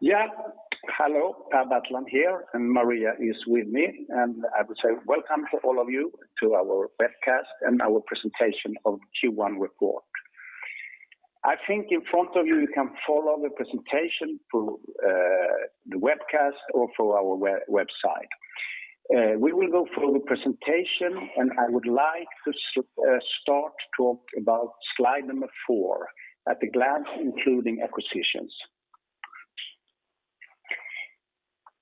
Yeah. Hello, Per Bertland here, and Maria is with me. I would say welcome all of you to our webcast and our presentation of Q1 report. I think in front of you can follow the presentation through the webcast or through our website. We will go through the presentation. I would like to start to talk about slide number four, at a glance, including acquisitions.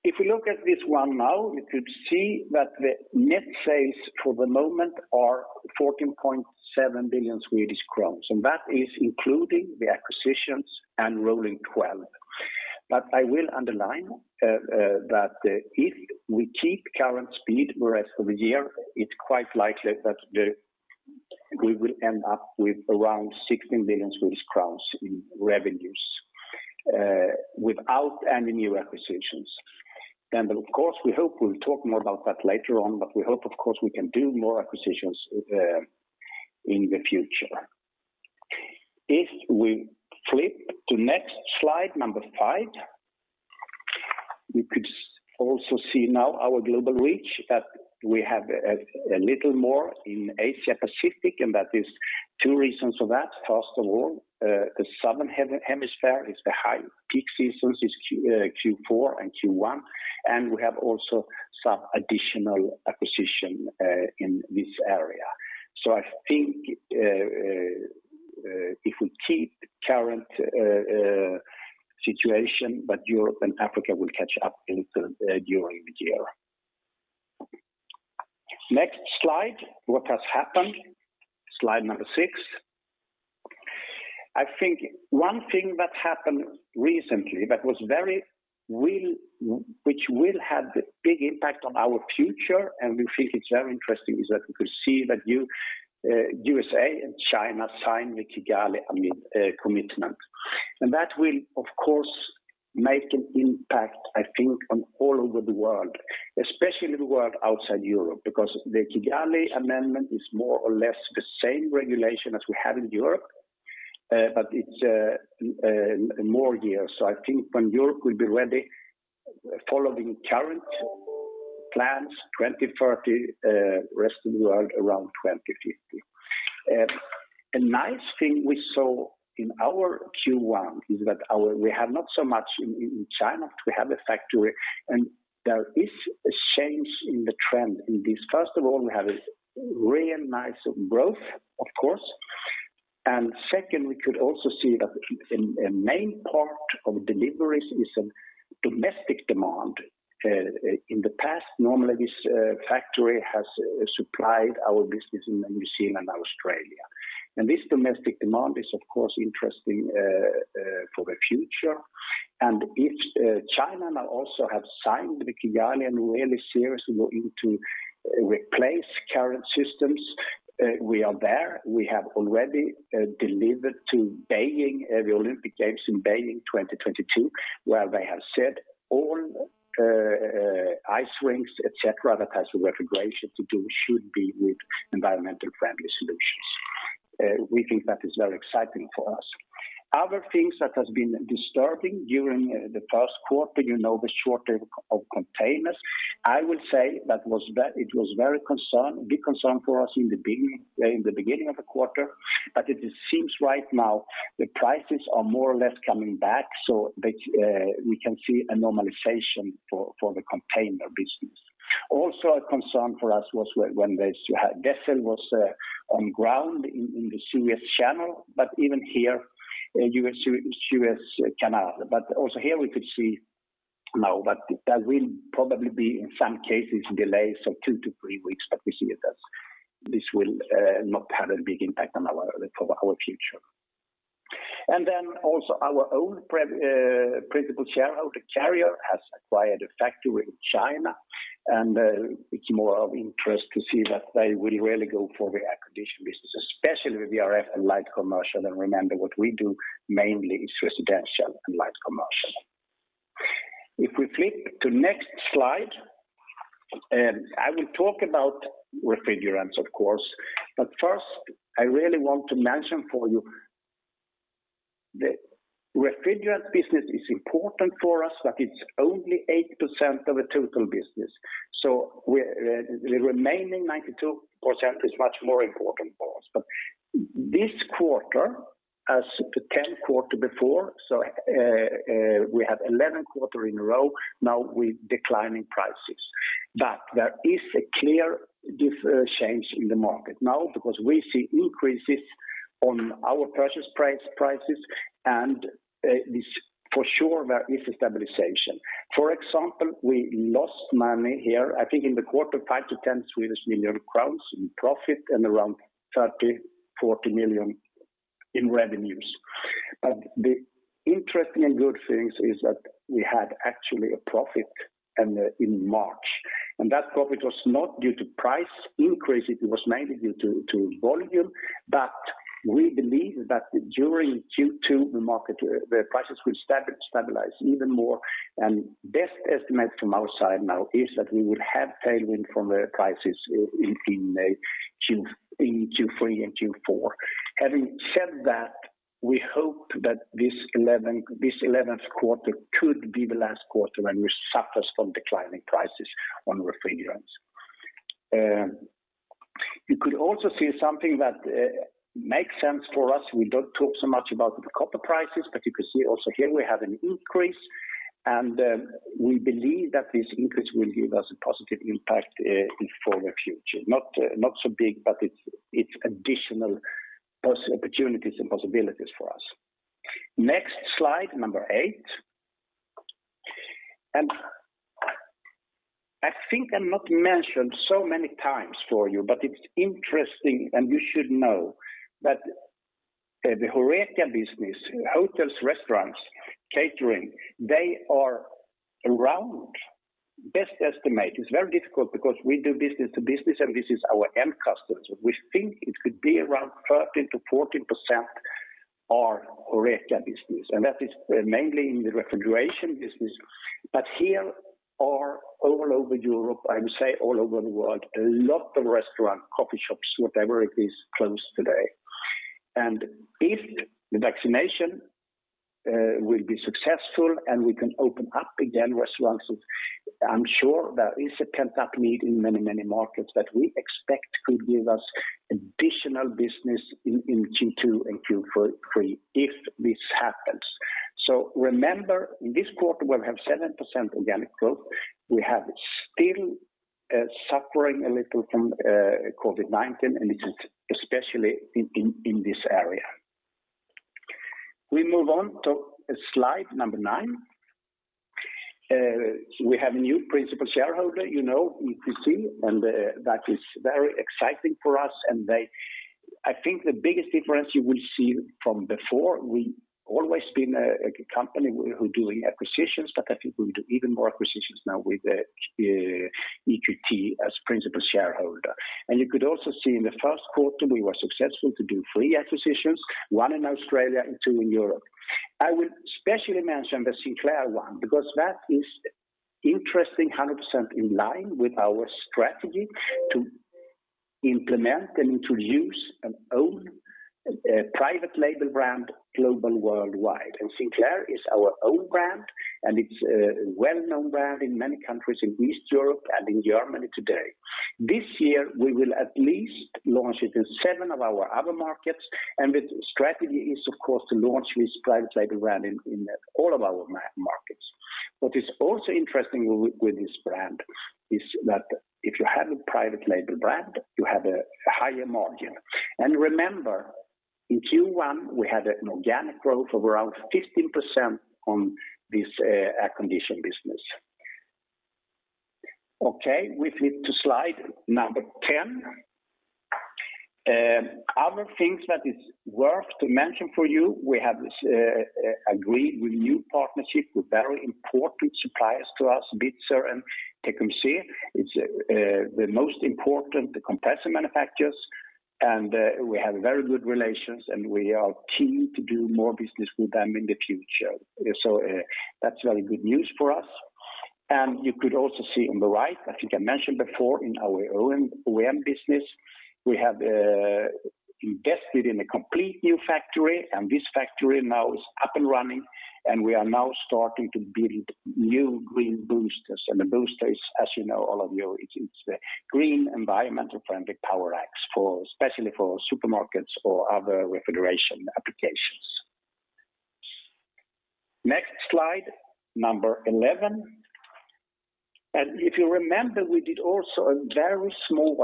If we look at this one now, we could see that the net sales for the moment are 14.7 billion Swedish crowns, that is including the acquisitions and rolling 12. I will underline that if we keep current speed, rest of the year, it's quite likely that we will end up with around 16 billion Swedish crowns in revenues without any new acquisitions. Of course, we'll talk more about that later on, we hope, of course, we can do more acquisitions in the future. If we flip to next slide, number five, we could also see now our global reach that we have a little more in Asia Pacific, there's two reasons for that. First of all, the Southern Hemisphere is the high peak seasons, is Q4 and Q1, we have also some additional acquisition in this area. I think, if we keep current situation, Europe and Africa will catch up during the year. Next slide, what has happened, slide number six. I think one thing that happened recently, which will have a big impact on our future, and we think it's very interesting, is that we could see that USA and China signed the Kigali Amendment. That will, of course, make an impact, I think, on all over the world, especially the world outside Europe, because the Kigali Amendment is more or less the same regulation as we have in Europe, but it is more years. I think when Europe will be ready, following current plans 2030, rest of the world around 2050. A nice thing we saw in our Q1 is that we have not so much in China, we have a factory, and there is a change in the trend in this. First of all, we have a really nice growth, of course. Second, we could also see that a main part of deliveries is a domestic demand. In the past, normally, this factory has supplied our business in New Zealand and Australia. This domestic demand is, of course, interesting for the future. If China now also have signed the Kigali and really seriously looking to replace current systems, we are there. We have already delivered to the Olympic Games in Beijing 2022, where they have said all ice rinks, et cetera, that has refrigeration to do should be with environmental-friendly solutions. We think that is very exciting for us. Other things that has been disturbing during the first quarter, the shortage of containers. I would say that it was a big concern for us in the beginning of the quarter, but it seems right now the prices are more or less coming back, so we can see a normalization for the container business. A concern for us was when vessel was on ground in the Suez Canal. Also here we could see now that will probably be, in some cases, delays of two to three weeks, but we see that this will not have a big impact on our future. Then also our own principal shareholder, Carrier, has acquired a factory in China, and it's more of interest to see that they will really go for the acquisition business, especially with VRF and light commercial. Remember, what we do mainly is residential and light commercial. If we flip to next slide, I will talk about refrigerants, of course. First, I really want to mention for you, the refrigerant business is important for us, but it's only 8% of the total business. The remaining 92% is much more important for us. This quarter as the 10 quarter before, so we have 11 quarter in a row now with declining prices. There is a clear change in the market now because we see increases on our purchase prices, and for sure, there is a stabilization. For example, we lost money here, I think in the quarter, 5 million-10 million crowns in profit and around 30 million, 40 million in revenues. The interesting and good things is that we had actually a profit in March, and that profit was not due to price increase, it was mainly due to volume. We believe that during Q2, the prices will stabilize even more, and best estimate from our side now is that we would have tailwind from the prices in Q3 and Q4. Having said that, we hope that this 11th quarter could be the last quarter when we suffer from declining prices on refrigerants. You could also see something that makes sense for us. We don't talk so much about the copper prices, but you can see also here we have an increase, and we believe that this increase will give us a positive impact for the future. Not so big, but it's additional opportunities and possibilities for us. Next slide, number eight. I think I've not mentioned so many times for you, but it's interesting and you should know that the HORECA business, hotels, restaurants, catering, they are around, best estimate, it's very difficult because we do business-to-business and this is our end customers. We think it could be around 13%-14% are HORECA business, and that is mainly in the refrigeration business. Here or all over Europe, I would say all over the world, a lot of restaurant, coffee shops, whatever it is, closed today. If the vaccination will be successful and we can open up again restaurants, I'm sure there is a pent-up need in many, many markets that we expect could give us additional business in Q2 and Q3 if this happens. Remember, in this quarter, we have 7% organic growth. We have still suffering a little from COVID-19, and it is especially in this area. We move on to slide number nine. We have a new principal shareholder, EQT, and that is very exciting for us. I think the biggest difference you will see from before, we always been a company who doing acquisitions, but I think we will do even more acquisitions now with EQT as principal shareholder. You could also see in the first quarter, we were successful to do three acquisitions, one in Australia and two in Europe. I would especially mention the Sinclair one, because that is interesting, 100% in line with our strategy to implement and introduce and own a private label brand global worldwide. Sinclair is our own brand, and it's a well-known brand in many countries in East Europe and in Germany today. This year, we will at least launch it in seven of our other markets, and the strategy is, of course, to launch this private label brand in all of our markets. What is also interesting with this brand is that if you have a private label brand, you have a higher margin. Remember, in Q1, we had an organic growth of around 15% on this air condition business. Okay, we flip to slide number 10. Other things that is worth to mention for you, we have agreed with new partnership with very important suppliers to us, Bitzer and Tecumseh. It's the most important compressor manufacturers, and we have very good relations, and we are keen to do more business with them in the future. That's very good news for us. You could also see on the right, I think I mentioned before, in our OEM business, we have invested in a complete new factory, and this factory now is up and running, and we are now starting to build new green booster systems. The booster systems, as you know, all of you, it's the green environmental-friendly power packs, especially for supermarkets or other refrigeration applications. Next slide, number 11. If you remember, we did also a very small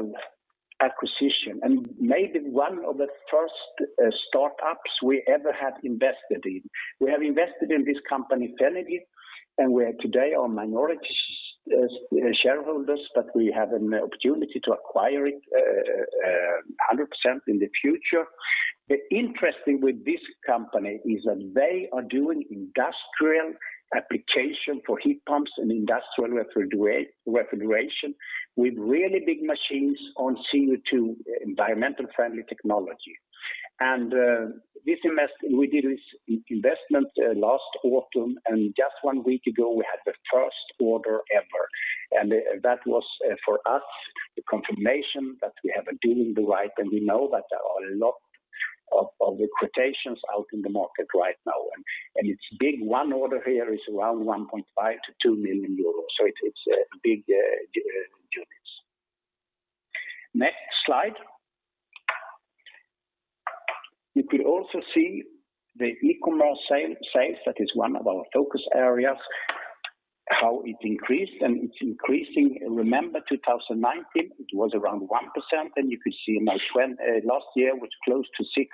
one acquisition and maybe one of the first startups we ever have invested in. We have invested in this company, Fenegy. We are today are minority shareholders. We have an opportunity to acquire it 100% in the future. The interesting with this company is that they are doing industrial application for heat pumps and industrial refrigeration with really big machines on CO2 environmental-friendly technology. We did this investment last autumn. Just one week ago, we had the first order ever. That was, for us, the confirmation that we are doing the right. We know that there are a lot of the quotations out in the market right now. It's big. One order here is around 1.5 million-2 million euros. It's big units. Next slide. You could also see the e-commerce sales, that is one of our focus areas, how it increased. It's increasing. Remember 2019, it was around 1%, and you could see last year was close to 6%,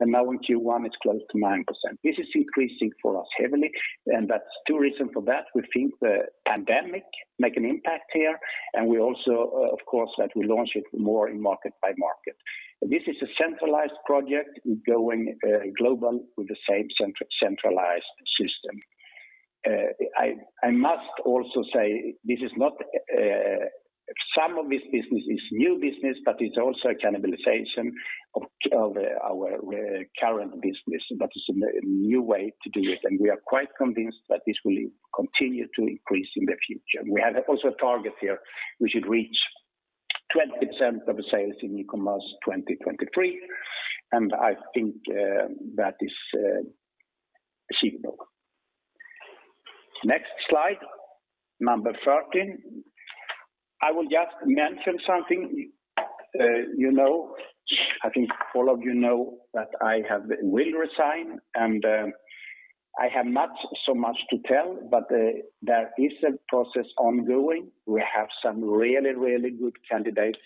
and now in Q1, it's close to 9%. This is increasing for us heavily, and that's two reason for that. We think the pandemic make an impact here, and we also, of course, that we launch it more in market by market. This is a centralized project. We're going global with the same centralized system. I must also say some of this business is new business, but it's also cannibalization of our current business, but it's a new way to do it, and we are quite convinced that this will continue to increase in the future. We have also a target here we should reach 20% of sales in e-commerce 2023, and I think that is achievable. Next slide, number 13. I will just mention something. I think all of you know that I will resign. I have not so much to tell. There is a process ongoing. We have some really, really good candidates.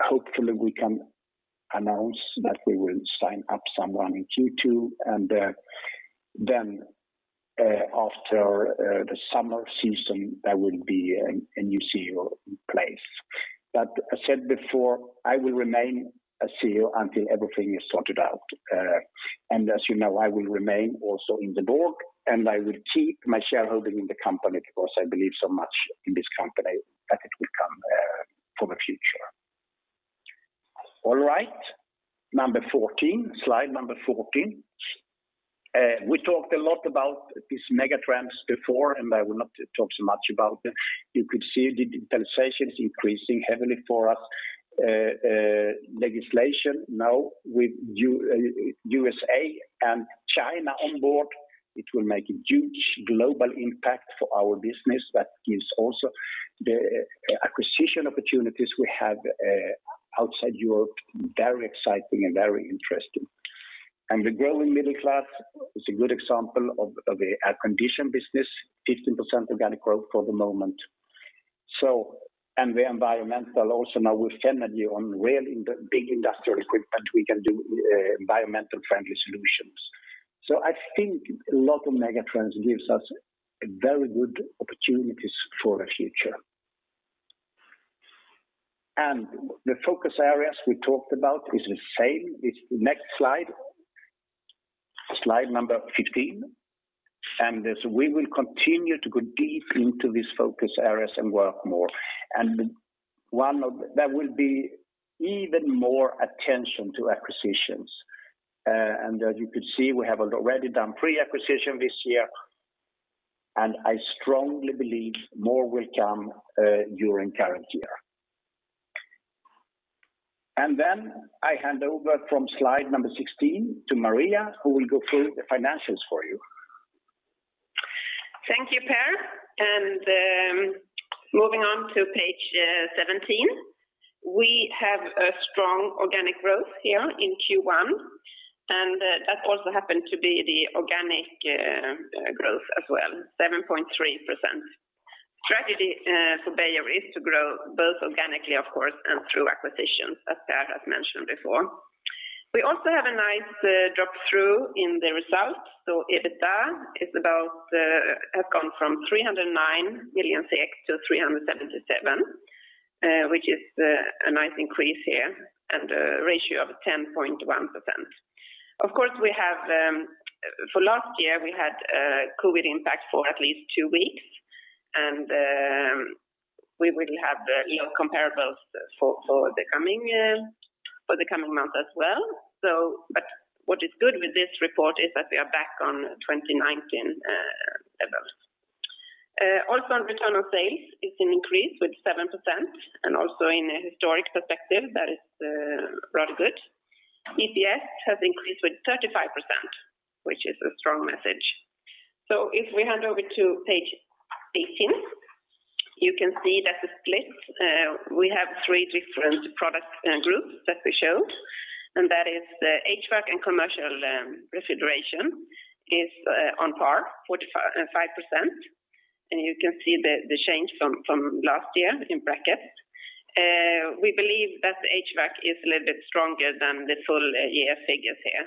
Hopefully we can announce that we will sign up someone in Q2. Then after the summer season, there will be a new CEO in place. I said before, I will remain as CEO until everything is sorted out. As you know, I will remain also on the board. I will keep my shareholding in the company because I believe so much in this company that it will come for the future. All right. Slide number 14. We talked a lot about these megatrends before. I will not talk so much about them. You could see digitalization is increasing heavily for us. Legislation, now with U.S.A. and China on board, it will make a huge global impact for our business. That gives also the acquisition opportunities we have outside Europe, very exciting and very interesting. The growing middle class is a good example of the air conditioning business, 15% organic growth for the moment. The environmental also now with energy on really big industrial equipment, we can do environmentally friendly solutions. I think a lot of megatrends give us very good opportunities for the future. The focus areas we talked about are the same. Next slide number 15. We will continue to go deep into these focus areas and work more. There will be even more attention to acquisitions. As you can see, we have already done three acquisition this year, and I strongly believe more will come during current year. I hand over from slide number 16 to Maria, who will go through the financials for you. Thank you, Per. Moving on to page 17. We have a strong organic growth here in Q1, and that also happened to be the organic growth as well, 7.3%. Strategy for Beijer is to grow both organically, of course, and through acquisitions, as Per has mentioned before. We also have a nice drop-through in the results. EBITDA has gone from 309 million to 377 million, which is a nice increase here and a ratio of 10.1%. Of course, for last year, we had COVID-19 impact for at least two weeks, and we will have the comparables for the coming months as well. What is good with this report is that we are back on 2019 levels. Also on return on sales is an increase with 7%, and also in a historic perspective, that is rather good. EPS has increased with 35%, which is a strong message. If we hand over to page 18, you can see that the split, we have three different product groups that we show, and that is the HVAC and commercial refrigeration is on par, 45%. You can see the change from last year in brackets. We believe that the HVAC is a little bit stronger than the full year figures here,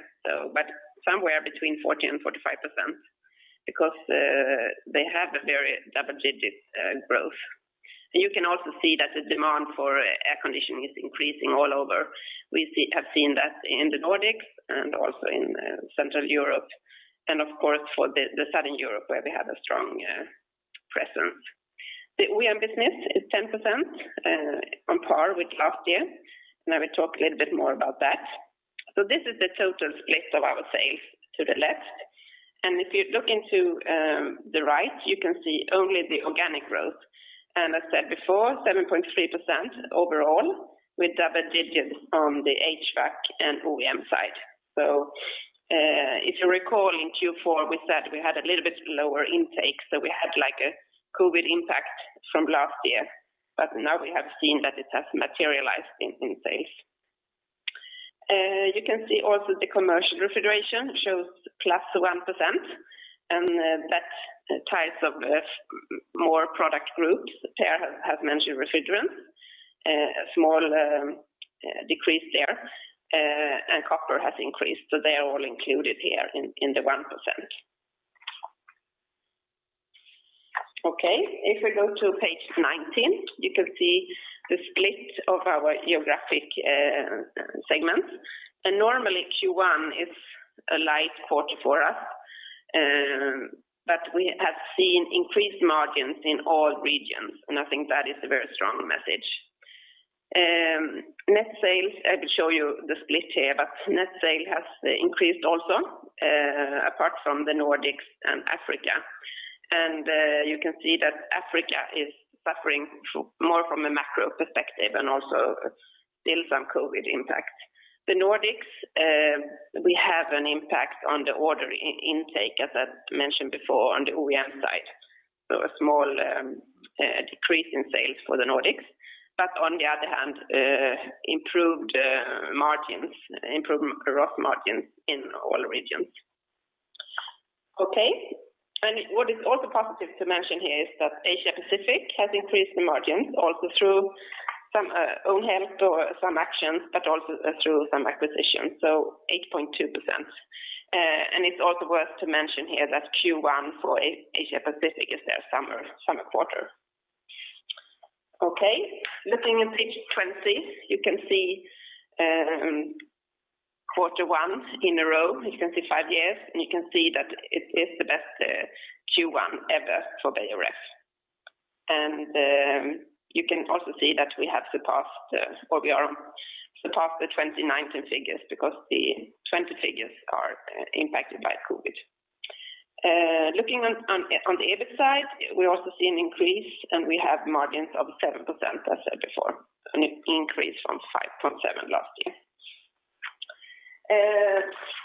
but somewhere between 40% and 45% because they have a very double-digit growth. You can also see that the demand for air conditioning is increasing all over. We have seen that in the Nordics and also in Central Europe, and of course, for the Southern Europe where we have a strong presence. The OEM business is 10%, on par with last year, and I will talk a little bit more about that. This is the total split of our sales to the left. If you look into the right, you can see only the organic growth. As said before, 7.3% overall with double digits on the HVAC and OEM side. If you recall, in Q4, we said we had a little bit lower intake, so we had a COVID impact from last year. Now we have seen that it has materialized in sales. You can see also the commercial refrigeration shows +1%, and that ties up more product groups. Per has mentioned refrigerants, a small decrease there, and copper has increased, so they are all included here in the 1%. Okay, if we go to page 19, you can see the split of our geographic segments. Normally Q1 is a light quarter for us, but we have seen increased margins in all regions, and I think that is a very strong message. Net sales. I will show you the split here. Net sales has increased also apart from the Nordics and Africa. You can see that Africa is suffering more from a macro perspective and also still some COVID impact. The Nordics, we have an impact on the order intake, as I mentioned before, on the OEM side. A small decrease in sales for the Nordics. On the other hand, improved margins, improved gross margins in all regions. Okay. What is also positive to mention here is that Asia Pacific has increased the margins also through some own help or some actions, but also through some acquisitions, 8.2%. It's also worth to mention here that Q1 for Asia Pacific is their summer quarter. Okay. Looking at page 20, you can see quarter one in a row. You can see five years, you can see that it is the best Q1 ever for Beijer Ref. You can also see that we have surpassed or we are unsurpassed the 2019 figures because the 2020 figures are impacted by COVID. Looking on the EBIT side, we also see an increase, we have margins of 7%, as said before, an increase from 5.7% last year.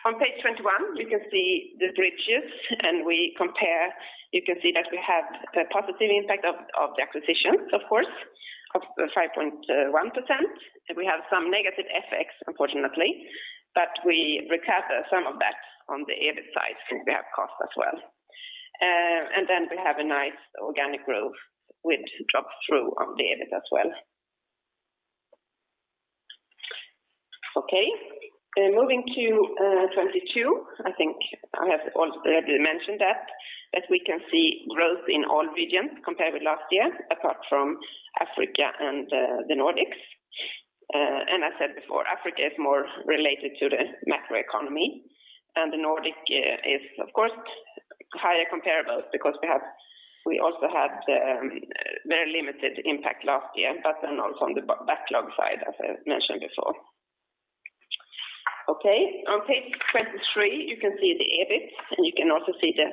On page 21, you can see the bridges, we compare. You can see that we have the positive impact of the acquisitions, of course, of 5.1%. We have some negative FX, unfortunately, we recover some of that on the EBIT side because we have costs as well. We have a nice organic growth which drops through on the EBIT as well. Okay. Moving to 2022, I think I have already mentioned that we can see growth in all regions compared with last year apart from Africa and the Nordics. I said before, Africa is more related to the macroeconomy. The Nordics is, of course, higher comparables because we also had very limited impact last year, also on the backlog side, as I mentioned before. On page 23, you can see the EBIT, you can also see the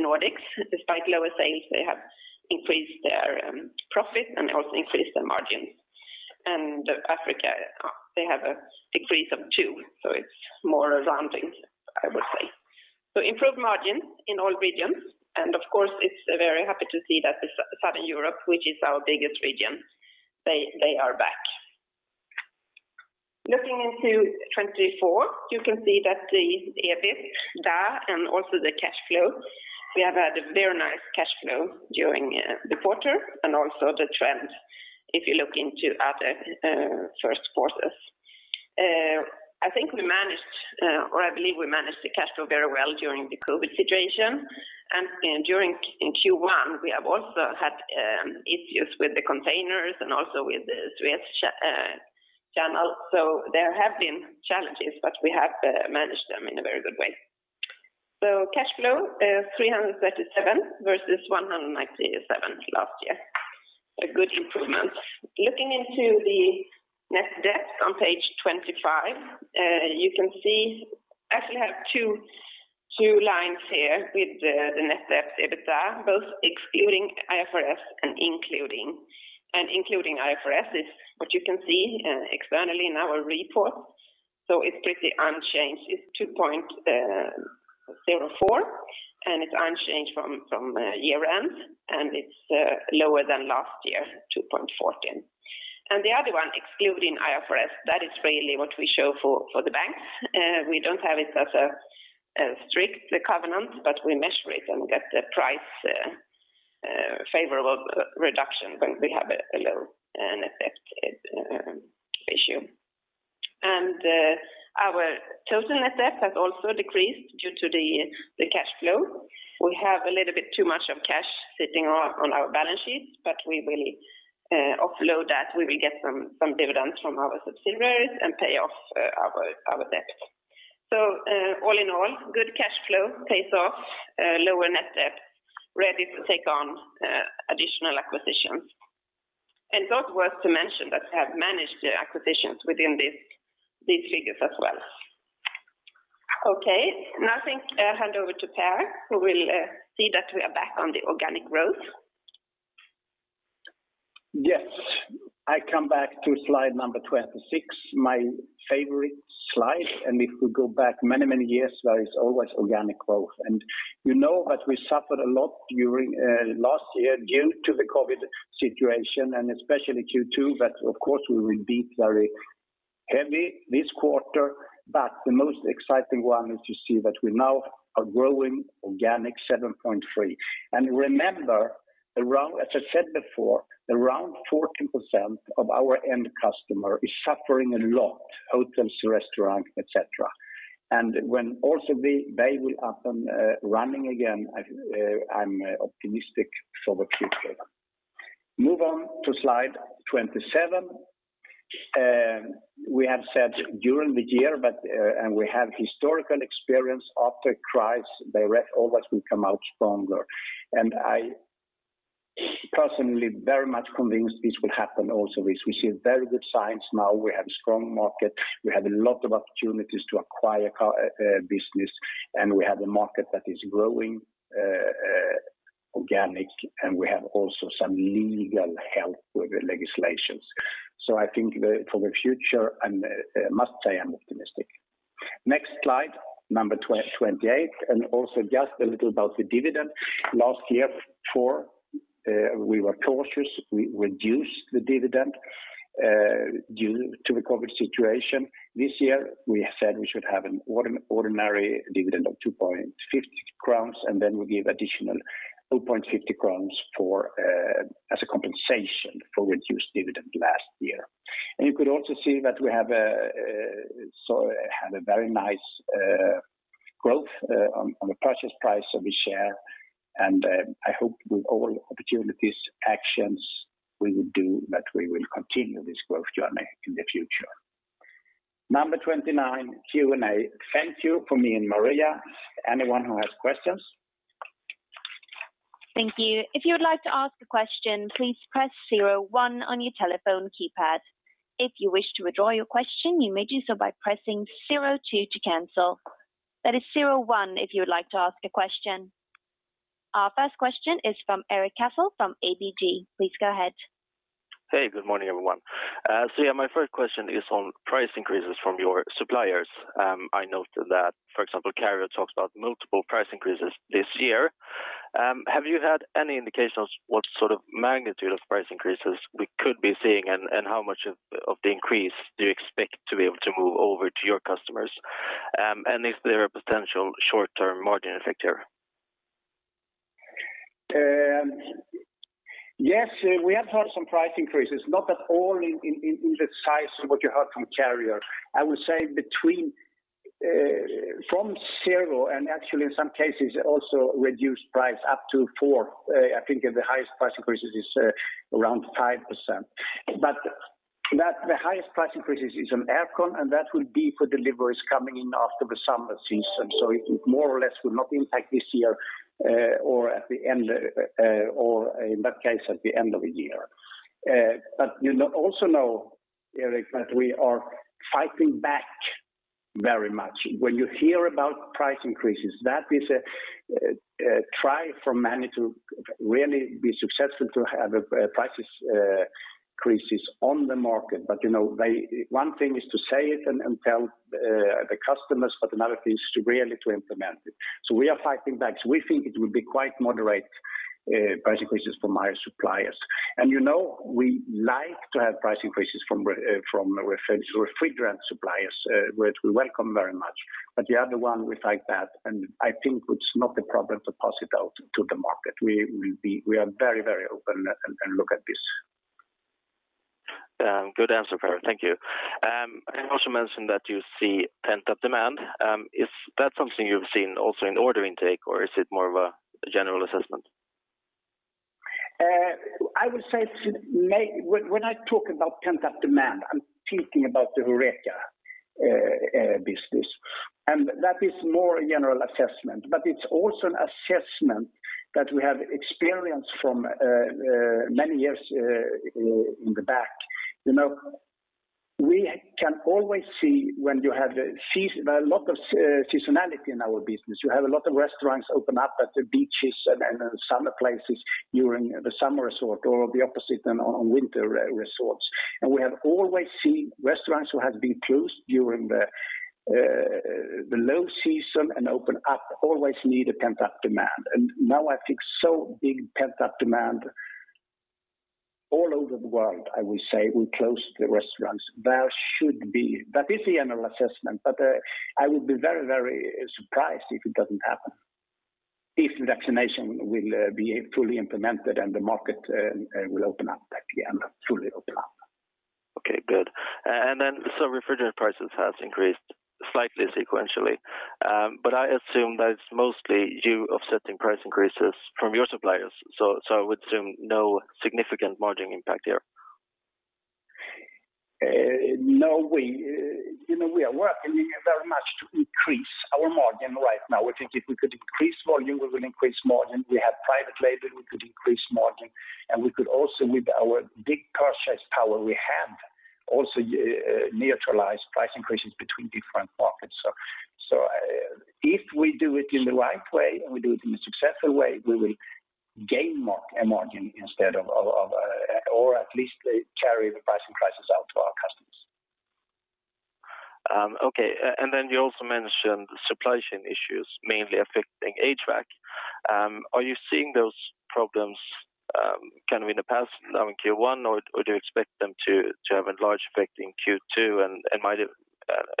Nordics. Despite lower sales, they have increased their profit and also increased their margins. Africa they have a decrease of two, it's more rounding, I would say. Improved margins in all regions, of course, it's very happy to see that Southern Europe, which is our biggest region, they are back. Looking into 24, you can see that the EBITDA and also the cash flow. We have had a very nice cash flow during the quarter and also the trend if you look into other first quarters. I think we managed or I believe we managed the cash flow very well during the COVID-19 situation. During Q1, we have also had issues with the containers and also with the Suez Canal. There have been challenges, but we have managed them in a very good way. Cash flow is 337 million versus 197 million last year. A good improvement. Looking into the net debt on page 25, you can see I actually have two lines here with the net debt EBITDA, both excluding IFRS and including. Including IFRS is what you can see externally in our report. It's pretty unchanged. It's 2.04, and it's unchanged from year-end, and it's lower than last year, 2.14. The other one, excluding IFRS, that is really what we show for the banks. We don't have it as a strict covenant, but we measure it and get the price favorable reduction when we have a low net effect issue. Our chosen net debt has also decreased due to the cash flow. We have a little bit too much of cash sitting on our balance sheets, but we will offload that. We will get some dividends from our subsidiaries and pay off our debt. All in all, good cash flow pays off lower net debt, ready to take on additional acquisitions. Also worth to mention that we have managed the acquisitions within these figures as well. Okay. Now I think I hand over to Per, who will see that we are back on the organic growth. Yes. I come back to slide number 26, my favorite slide. If we go back many years, there is always organic growth. You know that we suffered a lot during last year due to the COVID situation and especially Q2. Of course, we will be very heavy this quarter. The most exciting one is to see that we now are growing organic 7.3%. Remember, as I said before, around 14% of our end customer is suffering a lot, hotels, restaurants, et cetera. When also they will up and running again, I'm optimistic for the future. Move on to slide 27. Okay. We have said during the year, we have historical experience after crisis, Beijer Ref always will come out stronger. I personally very much convinced this will happen also this. We see very good signs now. We have strong market, we have a lot of opportunities to acquire business, and we have a market that is growing organic, and we have also some legal help with the legislations. I think for the future, I must say I'm optimistic. Next slide, number 28. Also just a little about the dividend. Last year, we were cautious. We reduced the dividend due to the COVID-19 situation. This year, we said we should have an ordinary dividend of 2.50 crowns, and then we give additional 2.50 crowns as a compensation for reduced dividend last year. You could also see that we have a very nice growth on the purchase price of the share. I hope with all opportunities, actions we will do that we will continue this growth journey in the future. Number 29, Q&A. Thank you from me and Maria. Anyone who has questions? Thank you. Our first question is from Erik Cassel from ABG. Please go ahead. Hey, good morning, everyone. Yeah, my first question is on price increases from your suppliers. I noted that, for example, Carrier talks about multiple price increases this year. Have you had any indication of what sort of magnitude of price increases we could be seeing, and how much of the increase do you expect to be able to move over to your customers? Is there a potential short-term margin effect here? Yes. We have had some price increases, not at all in the size of what you heard from Carrier. I would say between from zero and actually in some cases, also reduced price up to four. I think the highest price increase is around 5%. The highest price increase is on air con, and that will be for deliveries coming in after the summer season. It more or less will not impact this year or in that case, at the end of the year. You also know, Erik, that we are fighting back very much. When you hear about price increases, that is a try from many to really be successful to have price increases on the market. One thing is to say it and tell the customers, but another thing is to really to implement it. We are fighting back. We think it will be quite moderate price increases from our suppliers. You know we like to have price increases from refrigerant suppliers, which we welcome very much. The other one, we fight that, and I think it's not a problem to pass it out to the market. We are very open and look at this. Good answer, Per. Thank you. You also mentioned that you see pent-up demand. Is that something you've seen also in order intake, or is it more of a general assessment? I would say when I talk about pent-up demand, I'm talking about the HORECA business. That is more a general assessment, but it's also an assessment that we have experience from many years in the back. We can always see when you have a lot of seasonality in our business. You have a lot of restaurants open up at the beaches and the summer places during the summer resort, or the opposite on winter resorts. We have always seen restaurants who have been closed during the low season and open up always need a pent-up demand. Now I think so big pent-up demand all over the world, I would say, we closed the restaurants. That is the annual assessment, but I would be very surprised if it doesn't happen, if vaccination will be fully implemented and the market will open up at the end, truly open up. Okay, good. Refrigerant prices has increased slightly sequentially. I assume that it's mostly you offsetting price increases from your suppliers. I would assume no significant margin impact here. No. We are working very much to increase our margin right now. We think if we could increase volume, we will increase margin. We have private label, we could increase margin, and we could also with our big purchase power we have, also neutralize price increases between different markets. If we do it in the right way, and we do it in a successful way, we will gain a margin instead of, or at least carry the price increases out to our customers. Okay. You also mentioned supply chain issues, mainly affecting HVAC. Are you seeing those problems kind of in the past now in Q1, or do you expect them to have a large effect in Q2 and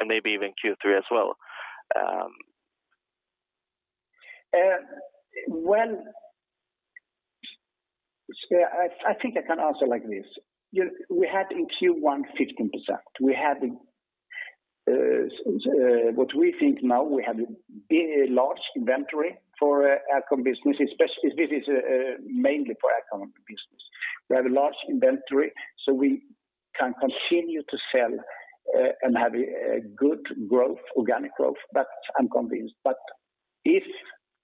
maybe even Q3 as well? I think I can answer like this. We had in Q1 15%. What we think now, we have a large inventory for aircon business, especially this is mainly for aircon business. We have a large inventory. We can continue to sell and have a good organic growth. That I'm convinced. If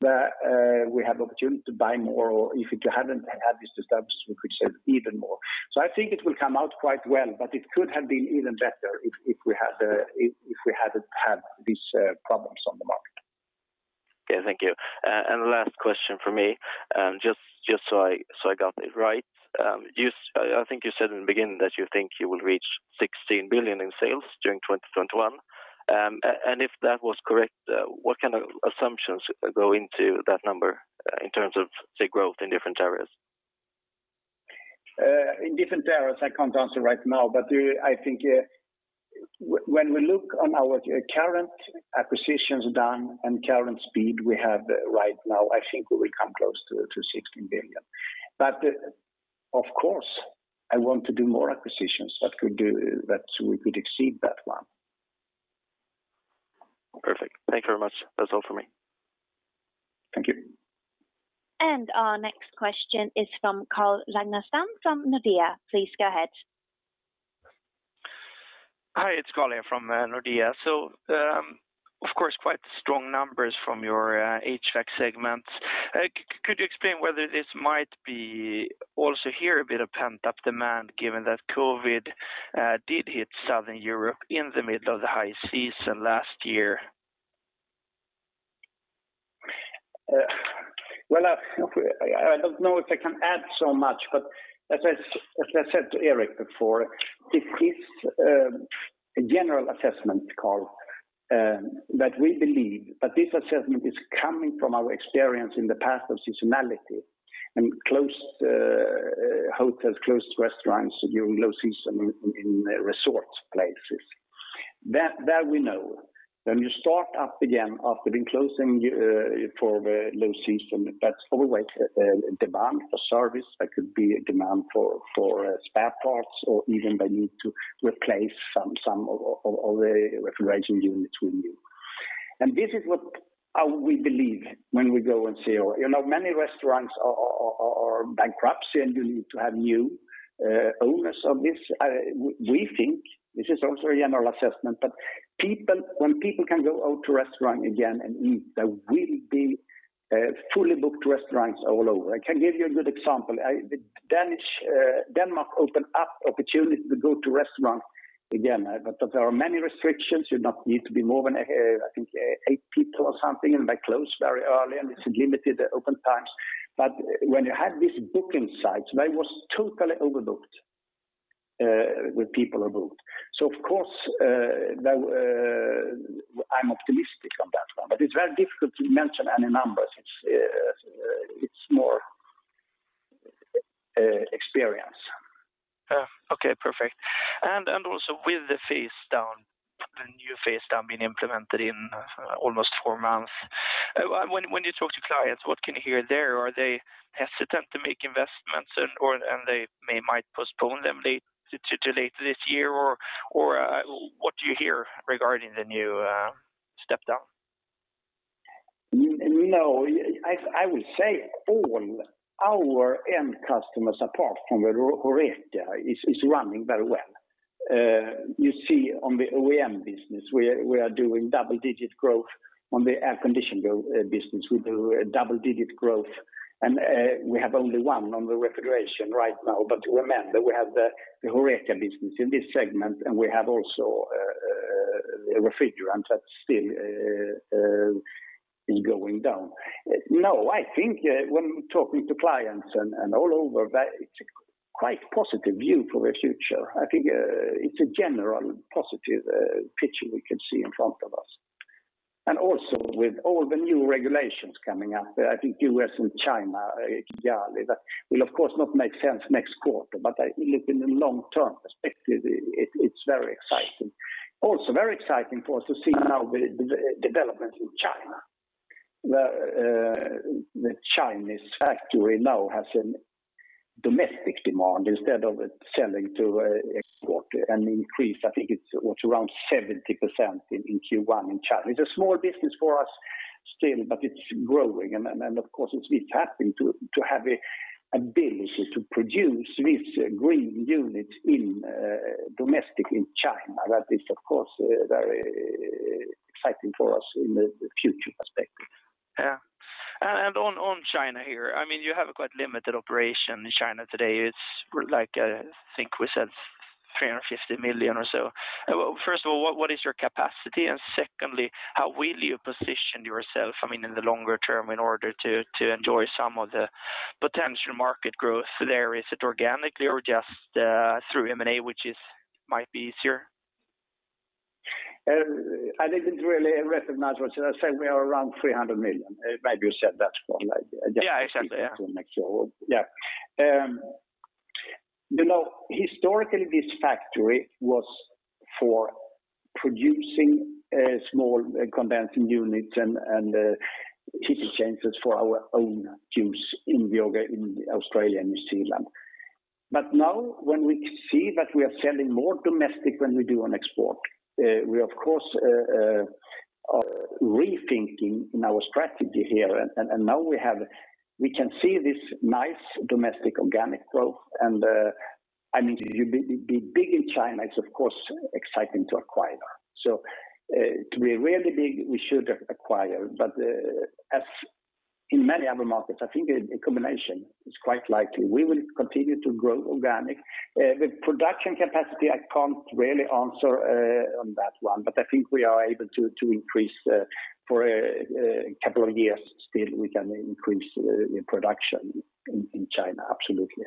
we have opportunity to buy more or if we hadn't had these disturbances, we could sell even more. I think it will come out quite well, but it could have been even better if we hadn't had these problems on the market. Okay, thank you. The last question from me, just so I got it right. I think you said in the beginning that you think you will reach 16 billion in sales during 2021. If that was correct, what kind of assumptions go into that number in terms of the growth in different areas? In different areas, I can't answer right now, but I think when we look on our current acquisitions done and current speed we have right now, I think we will come close to 16 billion. Of course, I want to do more acquisitions so we could exceed that one. Perfect. Thank you very much. That's all for me. Thank you. Our next question is from Carl Ragnerstam from Nordea. Please go ahead. Hi, it's Carl from Nordea. Of course, quite strong numbers from your HVAC segment. Could you explain whether this might be also here a bit of pent-up demand given that COVID did hit Southern Europe in the middle of the high season last year? Well, I don't know if I can add so much, but as I said to Erik before, this is a general assessment, Carl, that we believe, but this assessment is coming from our experience in the past of seasonality and closed hotels, closed restaurants during low season in resort places. That we know. When you start up again after being closing for the low season, that's always a demand for service. There could be a demand for spare parts or even they need to replace some of the refrigeration units will need. This is what we believe when we go and say, many restaurants are bankruptcy and you need to have new owners of this. We think, this is also a general assessment, but when people can go out to restaurant again and eat, there will be fully booked restaurants all over. I can give you a good example. Denmark opened up opportunity to go to restaurants again, there are many restrictions. You not need to be more than, I think, eight people or something, they close very early, it's limited open times. When you had this booking sites, that was totally overbooked with people are booked. Of course, I'm optimistic on that one, it's very difficult to mention any numbers. It's more experience. Okay, perfect. Also, with the new phase down being implemented in almost four months, when you talk to clients, what can you hear there? Are they hesitant to make investments and they might postpone them to later this year, or what do you hear regarding the new step down? No, I would say all our end customers, apart from the HORECA, is running very well. You see on the OEM business, we are doing double-digit growth. On the air conditioner business, we do double-digit growth, and we have only one on the refrigeration right now. Remember, we have the HORECA business in this segment, and we have also a refrigerant that still is going down. No, I think when talking to clients and all over, it's a quite positive view for the future. I think it's a general positive picture we can see in front of us. Also, with all the new regulations coming up, I think U.S. and China, that will, of course, not make sense next quarter, but I look in the long-term perspective, it's very exciting. Also very exciting for us to see now the development in China. The Chinese factory now has a domestic demand instead of selling to export and increase, I think it's around 70% in Q1 in China. It's a small business for us still, but it's growing. Of course, it's happening to have a ability to produce this green unit domestically in China. That is, of course, very exciting for us in the future perspective. Yeah. On China here, you have a quite limited operation in China today. I think we said 350 million or so. First of all, what is your capacity? And secondly, how will you position yourself in the longer term in order to enjoy some of the potential market growth there? Is it organically or just through M&A, which might be easier? I didn't really recognize what you said. You said we are around 300 million. Maybe you said that one. Yeah, exactly. Yeah. Yeah. Historically, this factory was for producing small condensing units and heat exchangers for our own use in Australia and New Zealand. Now when we see that we are selling more domestic than we do on export, we are rethinking our strategy here. Now we can see this nice domestic organic growth. To be big in China, it's exciting to acquire. To be really big, we should acquire. As in many other markets, I think a combination is quite likely. We will continue to grow organic. The production capacity, I can't really answer on that one. I think we are able to increase for a couple of years still, we can increase the production in China. Absolutely.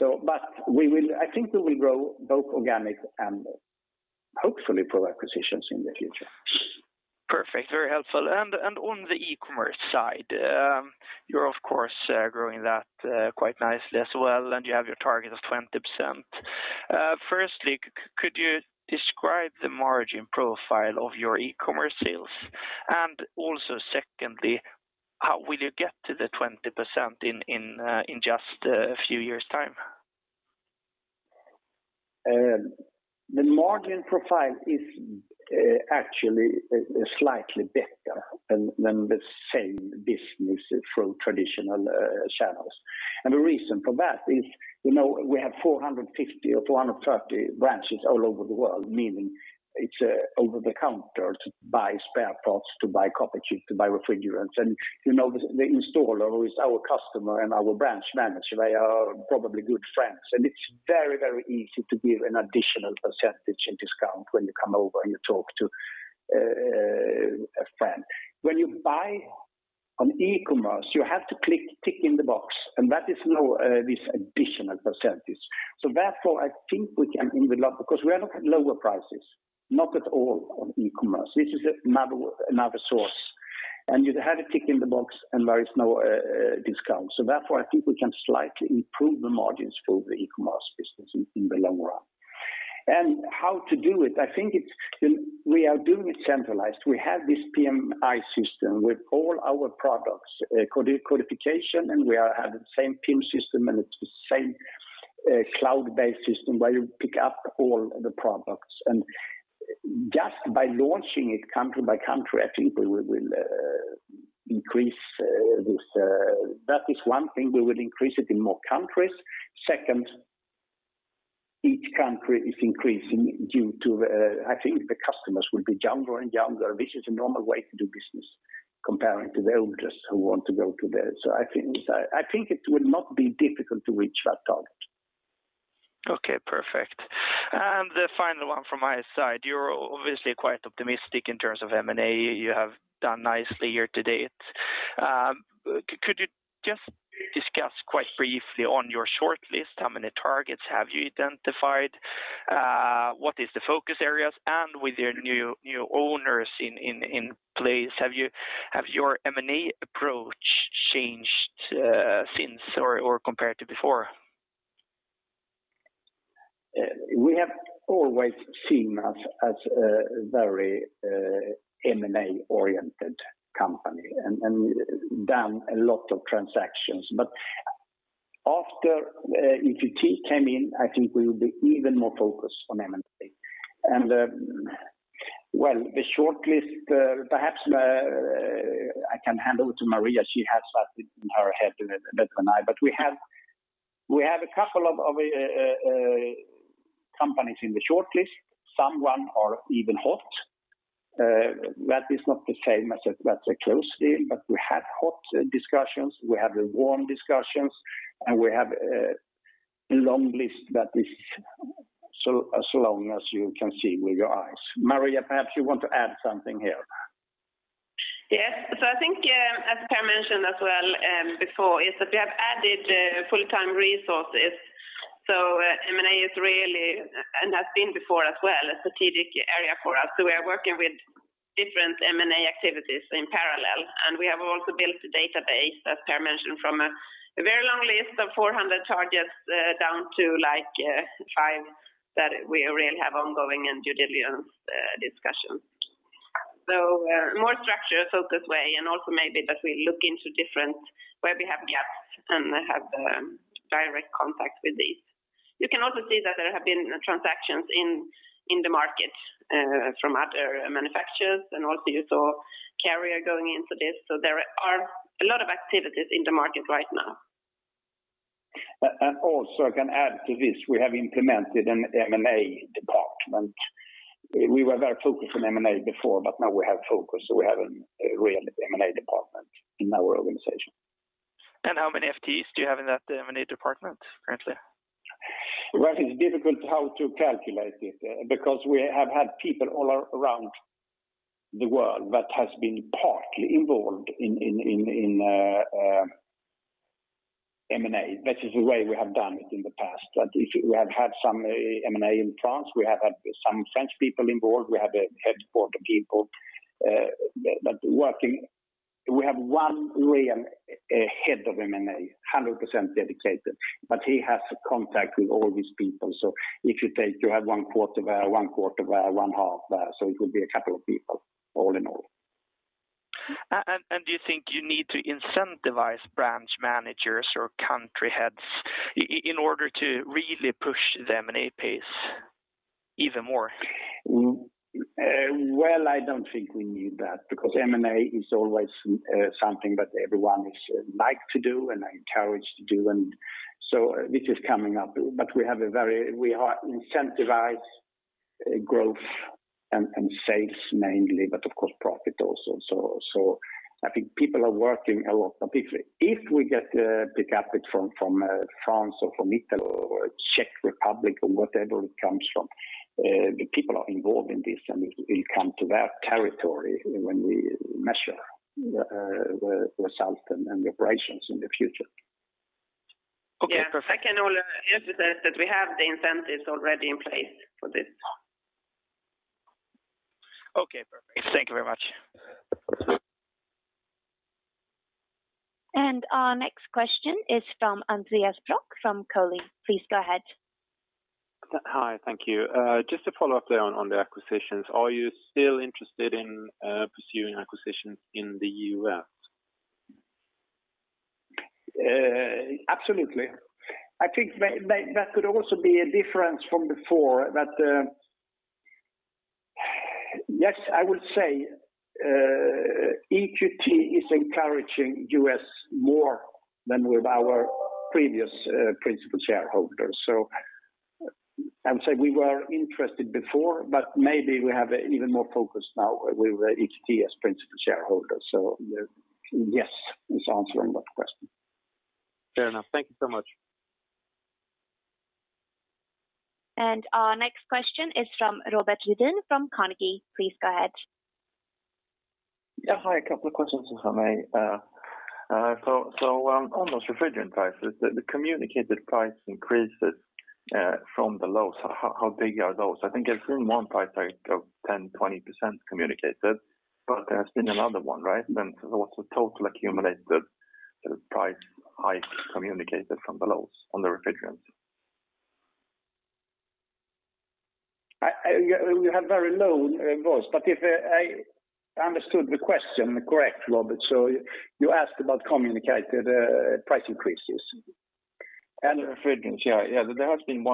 I think that we'll grow both organic and hopefully pull acquisitions in the future. Perfect. Very helpful. On the e-commerce side, you're growing that quite nicely as well, and you have your target of 20%. Firstly, could you describe the margin profile of your e-commerce sales? Also secondly, how will you get to the 20% in just a few years' time? The margin profile is actually slightly better than the same business through traditional channels. The reason for that is we have 450 or 430 branches all over the world, meaning it's over the counter to buy spare parts, to buy copper tube, to buy refrigerants. The installer who is our customer and our branch manager, they are probably good friends, and it's very easy to give an additional percentage in discount when you come over and you talk to a friend. When you buy on e-commerce, you have to tick in the box, and that is now this additional percentage. Therefore, I think we can improve a lot because we are not at lower prices, not at all on e-commerce. This is another source, and you have a tick in the box and there is no discount. Therefore, I think we can slightly improve the margins for the e-commerce business in the long run. How to do it? I think we are doing it centralized. We have this PIM system with all our products, code qualification, and we have the same PIM system, and it's the same cloud-based system where you pick up all the products. Just by launching it country by country, I think we will increase this. That is one thing, we will increase it in more countries. Second, each country is increasing due to, I think the customers will be younger and younger, which is a normal way to do business comparing to the oldest who want to go to there. I think it will not be difficult to reach that target. Okay, perfect. The final one from my side, you're obviously quite optimistic in terms of M&A. You have done nicely year to date. Could you just discuss quite briefly on your shortlist, how many targets have you identified? What is the focus areas? With your new owners in place, has your M&A approach changed since or compared to before? We have always seen us as a very M&A-oriented company and done a lot of transactions. After EQT came in, I think we will be even more focused on M&A. The shortlist, perhaps I can hand over to Maria. She has that in her head better than I, but we have a couple of companies in the shortlist. Some are even hot. That is not the same as a close deal, but we have hot discussions, we have the warm discussions, and we have a long list that is as long as you can see with your eyes. Maria, perhaps you want to add something here? Yes. I think as Per mentioned as well before, is that we have added full-time resources. M&A is really, and has been before as well, a strategic area for us. We are working with different M&A activities in parallel, and we have also built a database, as Per mentioned, from a very long list of 400 targets down to five that we really have ongoing and due diligence discussions. More structured, focused way, and also maybe that we look into different where we have gaps and have direct contact with these. You can also see that there have been transactions in the market from other manufacturers, and also you saw Carrier going into this. There are a lot of activities in the market right now. Also I can add to this, we have implemented an M&A department. We were very focused on M&A before, but now we have focus, so we have a real M&A department in our organization. How many FTEs do you have in that M&A department currently? Well, it's difficult how to calculate it because we have had people all around the world that have been partly involved in M&A. That is the way we have done it in the past. That if we have had some M&A in France, we have had some French people involved. We have headquarter people that working. We have one head of M&A, 100% dedicated, but he has contact with all these people. If you take, you have one quarter there, one quarter there, one half there, so it will be a couple of people all in all. Do you think you need to incentivize branch managers or country heads in order to really push the M&A pace even more? Well, I don't think we need that because M&A is always something that everyone likes to do and are encouraged to do. This is coming up, but we incentivize growth and sales mainly, but of course, profit also. I think people are working a lot. If we get the capital from France or from Italy or Czech Republic or wherever it comes from, the people are involved in this, and it will come to their territory when we measure the results and the operations in the future. Okay. Perfect. Yes, I can only emphasize that we have the incentives already in place for this. Okay, perfect. Thank you very much. Our next question is from Andreas Böger from Coeli. Please go ahead. Hi, thank you. Just to follow up there on the acquisitions. Are you still interested in pursuing acquisitions in the U.S.? Absolutely. I think that could also be a difference from before that. Yes, I would say EQT is encouraging us more than with our previous principal shareholders. I would say we were interested before, but maybe we have an even more focus now with EQT as principal shareholder. Yes is answering that question. Fair enough. Thank you so much. Our next question is from Robert Pudén from Carnegie. Please go ahead. Yeah. Hi, a couple of questions if I may. On those refrigerant prices, the communicated price increases from the lows, how big are those? I think I've seen one price hike of 10%, 20% communicated, but there's been another one, right? What's the total accumulated price hike communicated from the lows on the refrigerants? You have very low voice, but if I understood the question correct, Robert, you asked about communicated price increases? On refrigerants, yeah. Yeah I've seen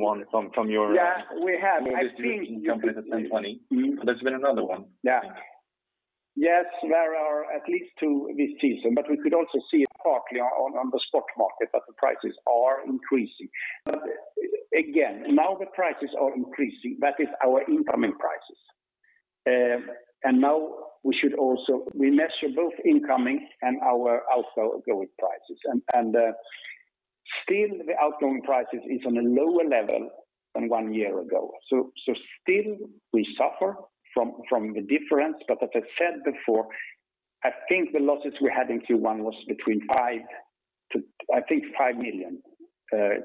one from your- Yeah, we have. company that's 10%, 20%. There's been another one. Yes, there are at least two this season, we could also see it partly on the stock market, that the prices are increasing. Again, now the prices are increasing. That is our incoming prices. Now we measure both incoming and our outgoing prices. Still, the outgoing prices is on a lower level than one year ago. Still we suffer from the difference, as I said before, I think the losses we had in Q1 was between I think 5 million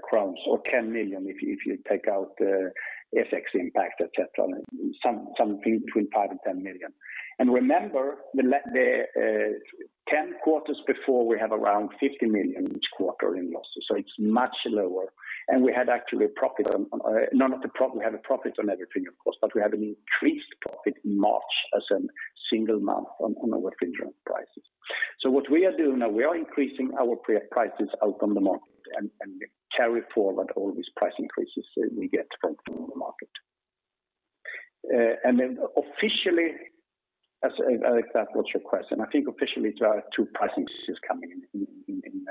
crowns or 10 million if you take out the FX impact, et cetera. Something between 5 million and 10 million. Remember, the 10 quarters before, we have around 50 million each quarter in losses, so it's much lower. We had actually a profit on, not that we have a profit on everything, of course, but we have an increased profit in March as a single month on our refrigerant prices. What we are doing now, we are increasing our prices out on the market and carry forward all these price increases that we get from the market. Then officially, if that was your question, I think officially there are two price increases coming in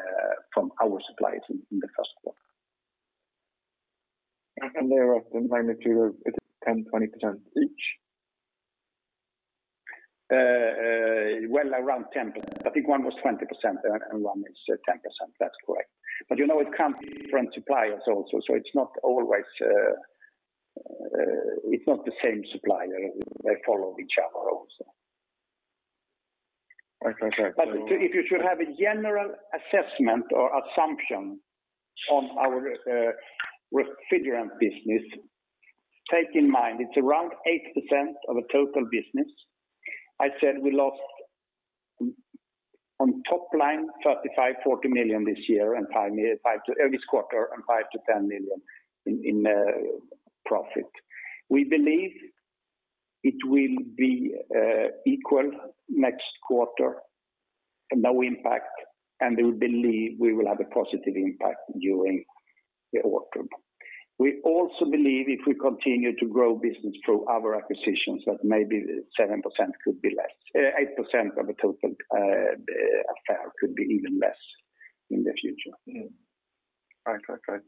from our suppliers in the first quarter. They're of the magnitude of 10%-20% each? Well, around 10%. I think one was 20% and one is 10%. That's correct. It comes from different suppliers also, so it's not the same supplier. They follow each other also. Okay. If you should have a general assessment or assumption on our refrigerant business, keep in mind it is around 8% of the total business. I said we lost on top line 35 million-40 million this year and every quarter and 5 million-10 million in profit. We believe it will be equal next quarter and no impact, and we believe we will have a positive impact during the autumn. We also believe if we continue to grow business through our acquisitions, that maybe 8% of the total affair could be even less in the future. Right.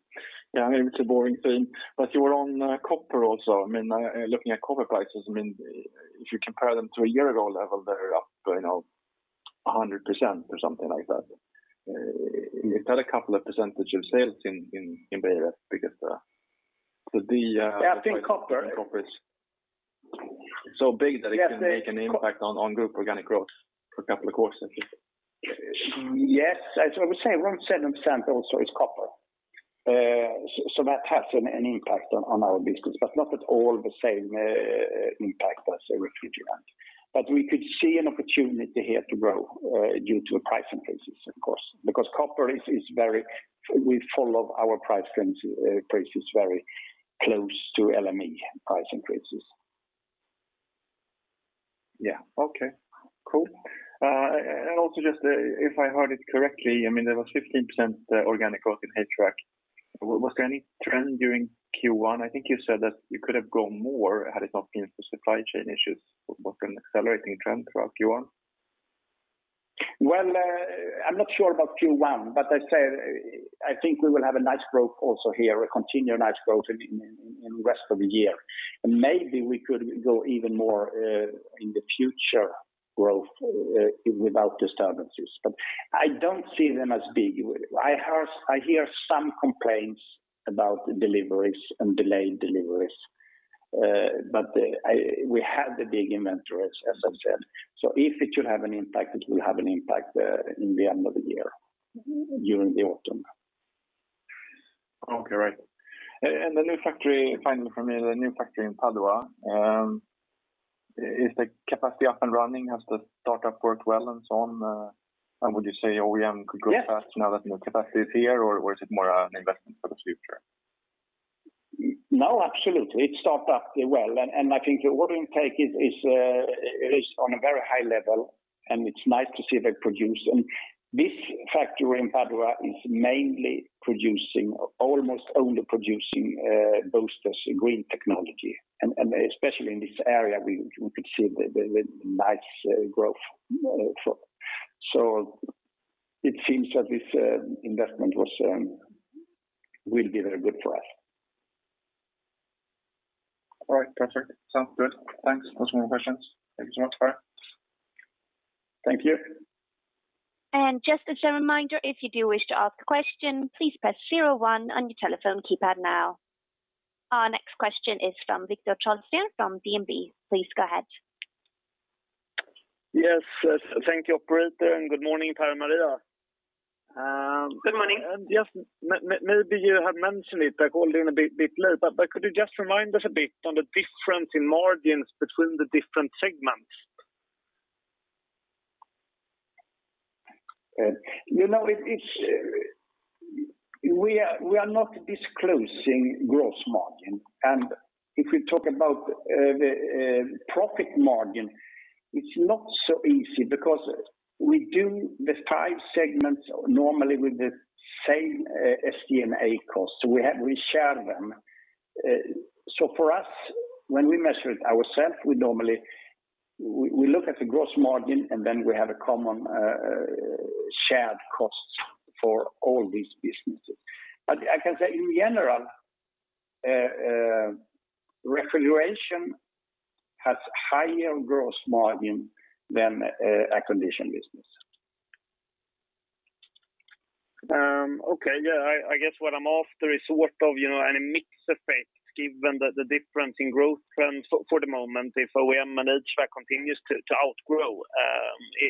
Yeah, it's a boring thing, you were on copper also. Looking at copper prices, if you compare them to a year ago level, they're up 100% or something like that. It's at a couple of percentage of sales in Beijer Ref because the- Yeah, I think. copper is so big that it can make an impact on group organic growth for a couple of quarters at least. Yes. As I would say, around 7% also is copper. That has an impact on our business, but not at all the same impact as a refrigerant. We could see an opportunity here to grow due to price increases, of course, because copper, we follow our price increases very close to LME price increases. Yeah. Okay, cool. Also, if I heard it correctly, there was 15% organic growth in HVAC. Was there any trend during Q1? I think you said that you could have grown more had it not been for supply chain issues. Was there an accelerating trend throughout Q1? I'm not sure about Q1, but I think we will have a nice growth also here, a continued nice growth in the rest of the year. Maybe we could grow even more in the future without disturbances. I don't see them as big. I hear some complaints about deliveries and delayed deliveries, but we have the big inventories, as I've said. If it should have an impact, it will have an impact in the end of the year, during the autumn. Okay, right. Finally from me, the new factory in Padua, is the capacity up and running? Has the startup worked well and so on? Would you say OEM could grow fast- Yes now that the new capacity is here, or is it more an investment for the future? No, absolutely. It started up well, and I think the order intake is on a very high level, and it's nice to see the production. This factory in Padua is mainly producing, almost only producing, boosters, green technology. Especially in this area, we could see the nice growth. It seems that this investment will be very good for us. All right, perfect. Sounds good. Thanks. That was my questions. Thank you so much, Per. Thank you. Just as a reminder. Our next question is from Viktor Trollsten from DNB. Please go ahead. Yes. Thank you, operator, and good morning, Per and Maria. Good morning. Just maybe you have mentioned it, I called in a bit late, could you just remind us a bit on the difference in margins between the different segments? We are not disclosing gross margin. If we talk about the profit margin, it's not so easy because we do the five segments normally with the same SG&A cost, so we share them. For us, when we measure it ourself, we look at the gross margin, and then we have a common shared cost for all these businesses. I can say in general, refrigeration has higher gross margin than air condition business. Okay. Yeah, I guess what I'm after is what are the mixed effects given the difference in growth trends for the moment, if OEM and HVAC continues to outgrow,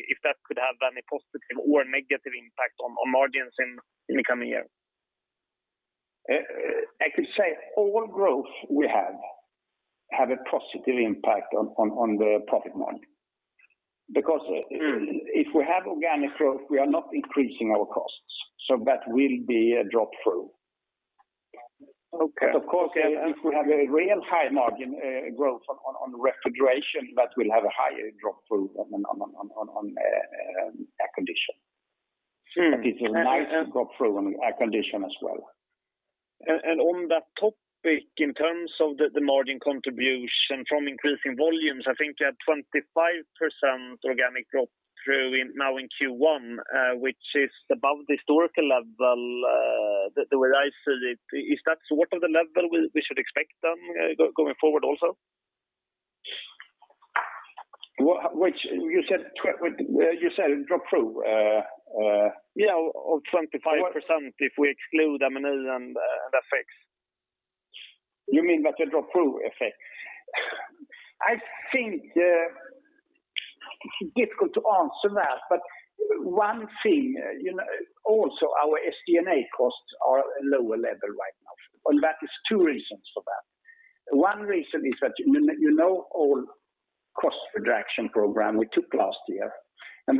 if that could have any positive or negative impact on margins in the coming year? I could say all growth we have a positive impact on the profit margin. If we have organic growth, we are not increasing our costs. That will be a drop-through. Okay. Of course, if we have a real high margin growth on refrigeration, that will have a higher drop-through on air condition. It's a nice drop-through on air conditioning as well. On that topic, in terms of the margin contribution from increasing volumes, I think you had 25% organic drop-through now in Q1, which is above the historical level, the way I see it. Is that sort of the level we should expect then, going forward, also? You said drop-through? Yeah, of 25% if we exclude M&A and FX. You mean that drop-through effect? I think it's difficult to answer that, but one thing, also our SG&A costs are lower level right now, and that is two reasons for that. One reason is that, you know all cost reduction program we took last year, and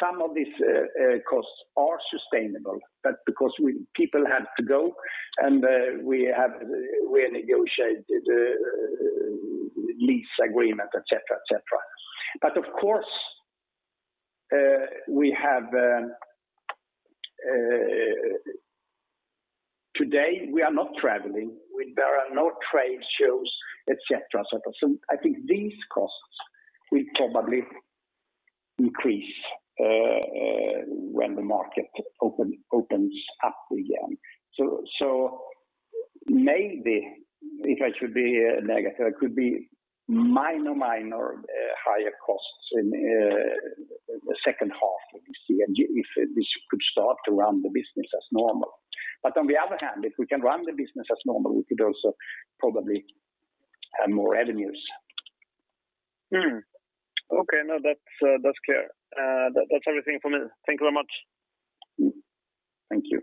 some of these costs are sustainable. That's because people had to go, and we negotiated lease agreement, et cetera. Of course, today, we are not traveling. There are no trade shows, et cetera. I think these costs will probably increase when the market opens up again. Maybe, if I should be negative, it could be minor higher costs in the second half, if we could start to run the business as normal. On the other hand, if we can run the business as normal, we could also probably have more revenues. Okay, no, that's clear. That's everything from me. Thank you very much. Thank you.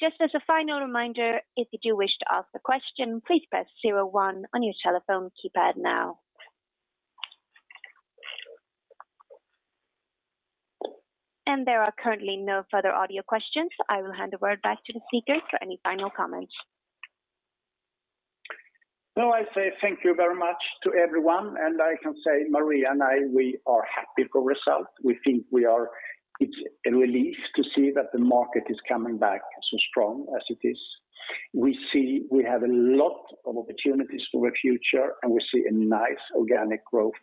Just as a final reminder, if you do wish to ask a question, please press zero one on your telephone keypad now. There are currently no further audio questions. I will hand the word back to the speakers for any final comments. I say thank you very much to everyone, and I can say Maria and I, we are happy for result. We think it's a relief to see that the market is coming back so strong as it is. We see we have a lot of opportunities for the future, and we see a nice organic growth.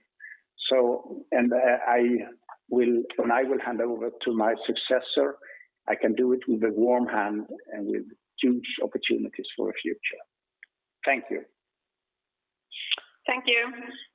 When I will hand over to my successor, I can do it with a warm hand and with huge opportunities for the future. Thank you. Thank you.